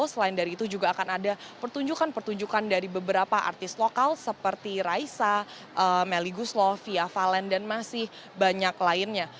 selain dari itu juga akan ada pertunjukan pertunjukan dari beberapa artis lokal seperti raisa melly guslo fia valen dan masih banyak lainnya